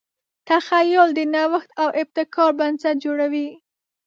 تخیل د نوښت او ابتکار بنسټ جوړوي.